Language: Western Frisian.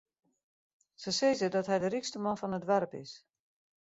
Se sizze dat hy de rykste man fan it doarp is.